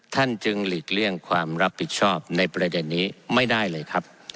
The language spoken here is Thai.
ท่านจึงหลีกเลี่ยงความรับผิดชอบในประเด็นนี้ไม่ได้เลยครับ